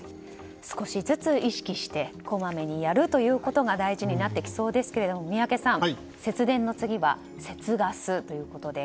少しずつ意識してこまめにやるということが大事になってきそうですが宮家さん、節電の次は節ガスということで。